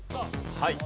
はい。